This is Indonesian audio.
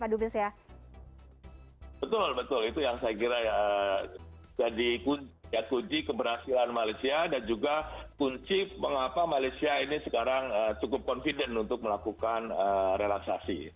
dan indonesia ini sekarang cukup confident untuk melakukan relaksasi